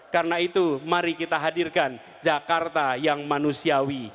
karena itu mari kita hadirkan jakarta yang manusiawi